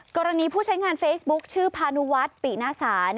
กรณีผู้ใช้งานเฟซบุ๊คชื่อพานุวัฒน์ปินาศาล